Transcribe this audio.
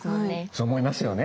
そう思いますよね。